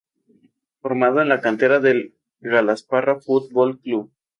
Formado en la cantera del Calasparra Fútbol Club.